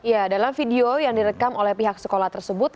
ya dalam video yang direkam oleh pihak sekolah tersebut